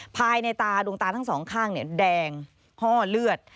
ภายในตาดวงตาทั้งสองข้างแดงห้อเลือด